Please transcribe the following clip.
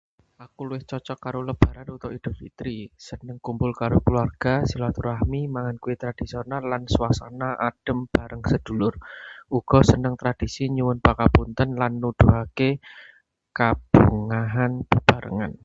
Aku luwih cocog karo Lebaran utawa Idul Fitri. Seneng kumpul karo keluarga, silaturahmi, mangan kue tradhisional, lan suasana adem bareng sedulur. Uga seneng tradhisi nyuwun pangapunten lan nuduhake kabungahan bebarengan.